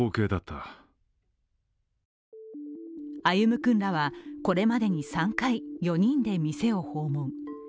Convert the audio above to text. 歩夢君らはこれまでに３回、４人で店を訪問。